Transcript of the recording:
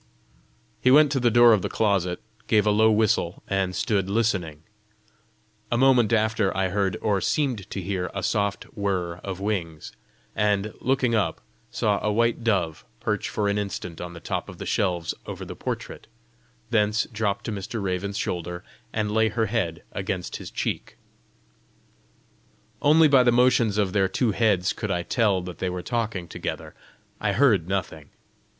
He went to the door of the closet, gave a low whistle, and stood listening. A moment after, I heard, or seemed to hear, a soft whir of wings, and, looking up, saw a white dove perch for an instant on the top of the shelves over the portrait, thence drop to Mr. Raven's shoulder, and lay her head against his cheek. Only by the motions of their two heads could I tell that they were talking together; I heard nothing.